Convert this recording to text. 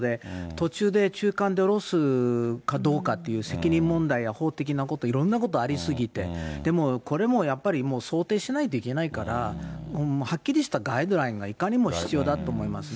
途中で、中間で降ろすかどうかっていう責任問題や、法的なこと、いろんなことありすぎて、これもやっぱり想定しないといけないから、はっきりしたガイドラインがいかにも必要だと思いますね。